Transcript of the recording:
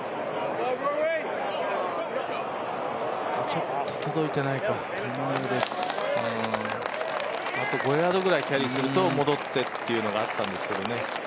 ちょっと届いてないか、あと５ヤードくらいキャリーすると戻ってというのがあったんですけどね。